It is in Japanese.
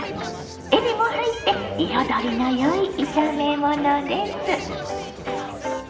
えびも入って彩りのよい炒め物です。